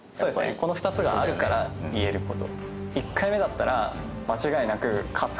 この２つがあるから言えること。